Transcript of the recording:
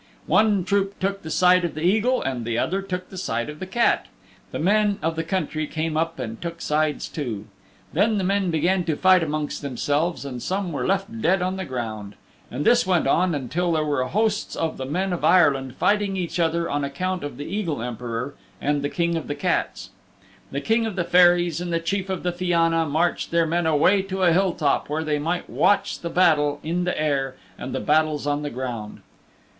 One troop took the side of the Eagle and the other took the side of the Cat. The men of the country came up and took sides too. Then the men began to fight amongst themselves and some were left dead on the ground. And this went on until there were hosts of the men of Ireland fighting each other on account of the Eagle Emperor and the King of the Cats. The King of the Fairies and the Chief of the Fianna marched their men away to a hill top where they might watch the battle in the air and the battles on the ground.